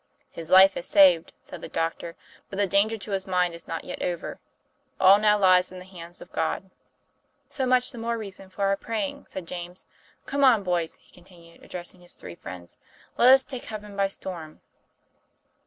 "His life is saved," said the doctor; 'but the danger to his mind is not yet over. All now lies in the hands of God." ;' So much the more reason for our praying," said James. " Come on, boys," he continued, addressing his three friends, " let us take heaven by storm!'